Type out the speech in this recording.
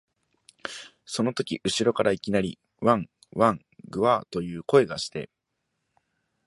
そのとき後ろからいきなり、わん、わん、ぐゎあ、という声がして、